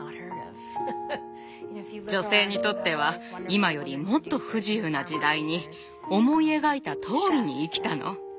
女性にとっては今よりもっと不自由な時代に思い描いたとおりに生きたの。